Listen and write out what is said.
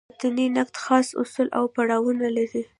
متني نقد خاص اصول او پړاوونه لري.